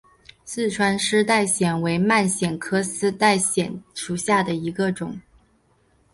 四川丝带藓为蔓藓科丝带藓属下的一个种。